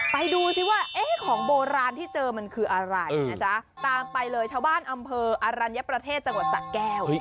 ไปดูซิว่าของโบราณที่เจอมันคืออะไรนะจ๊ะตามไปเลยชาวบ้านอำเภออรัญญประเทศจังหวัดสะแก้ว